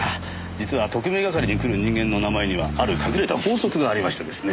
実は特命係に来る人間の名前にはある隠れた法則がありましてですね。